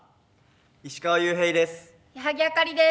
石川裕平です。